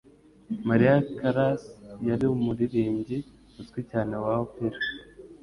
Maria Callas yari umuririmbyi uzwi cyane wa opera.